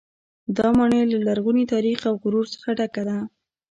دا ماڼۍ له لرغوني تاریخ او غرور څخه ډکه ده.